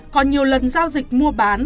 có nhiều lần giao dịch mua bán